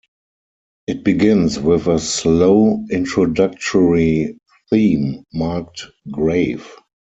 It begins with a slow introductory theme, marked "Grave".